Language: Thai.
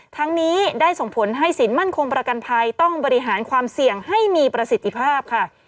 ทั้งนี้ได้ส่งผลให้สินมั่นคงประกันภัยต้องบริหารความเสี่ยงให้มีประสิทธิภาพค่ะ